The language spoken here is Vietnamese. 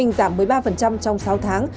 giảm một mươi ba trong sáu tháng